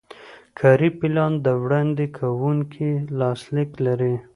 کاري پلان د وړاندې کوونکي لاسلیک لري.